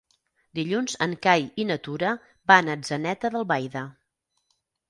Dilluns en Cai i na Tura van a Atzeneta d'Albaida.